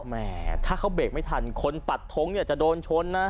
แหมถ้าเขาเบรกไม่ทันคนปัดท้งเนี่ยจะโดนชนนะ